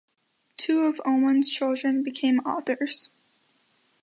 Two of Oman's children became authors.